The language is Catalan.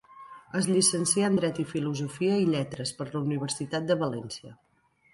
Es llicencià en dret i filosofia i lletres per la Universitat de València.